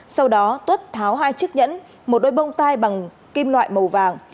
sau đó tuất tháo hai chiếc nhẫn một đôi bông tai bằng kim loại màu vàng